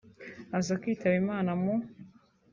aza kwitaba Imana mu